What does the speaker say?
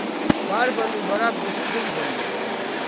Барбану, бара, бысзымдрит?